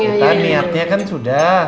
kita niatnya kan sudah